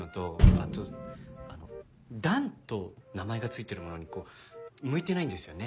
あとあの「団」と名前が付いてるものにこう向いてないんですよね。